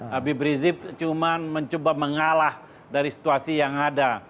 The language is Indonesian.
habib rizik cuma mencoba mengalah dari situasi yang ada